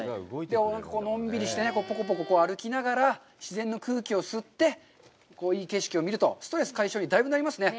のんびりしてね、ぽこぽこ歩きながら、自然の空気を吸って、いい景色を見ると、ストレス解消になりますね。